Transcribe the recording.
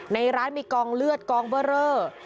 ในร้านมีกองเลือดกองเบอร์เรอ